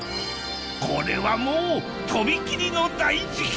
これはもうとびきりの大事件！